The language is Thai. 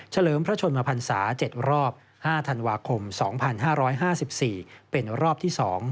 เลิมพระชนมพันศา๗รอบ๕ธันวาคม๒๕๕๔เป็นรอบที่๒